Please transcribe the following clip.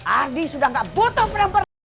ardi sudah gak butuh pernah berbicara sama kamu